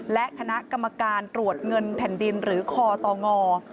และคณะกรรมการตรวจเงินแผ่นดินหรือคอตง